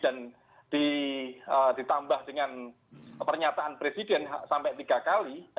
dan ditambah dengan pernyataan presiden sampai tiga kali